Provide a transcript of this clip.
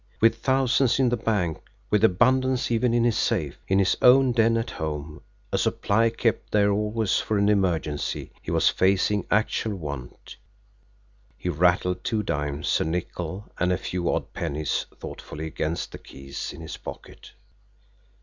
With thousands in the bank, with abundance even in his safe, in his own den at home, a supply kept there always for an emergency, he was facing actual want he rattled two dimes, a nickel, and a few odd pennies thoughtfully against the keys in his pocket.